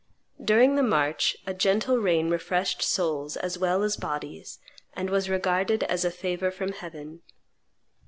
During the march a gentle rain refreshed souls as well as bodies, and was regarded as a favor from heaven.